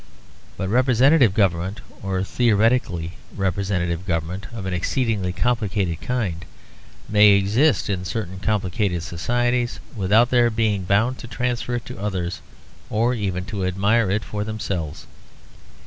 But representative government, or theoretically representative government, of an exceedingly complicated kind, may exist in certain complicated societies without their being bound to transfer it to others, or even to admire it for themselves.